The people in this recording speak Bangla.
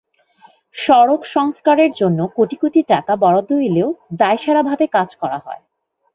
সড়ক সংস্কারের জন্য কোটি কোটি টাকা বরাদ্দ এলেও দায়সারাভাবে কাজ করা হয়।